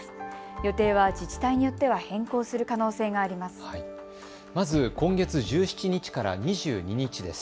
予定は自治体によっては変更する可能性があります。